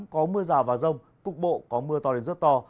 có mưa rào và rông cục bộ có mưa to đến rất to